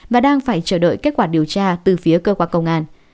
và đang phải chờ đợi kết quả điều tra từ phía cơ quan công an